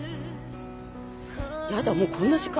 やだもうこんな時間。